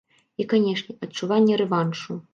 І канечне, адчуванне рэваншу.